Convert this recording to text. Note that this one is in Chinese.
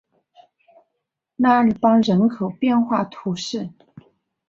拉尔邦人口变化图示